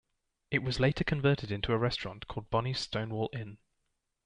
It was later converted into a restaurant called Bonnie's Stonewall Inn.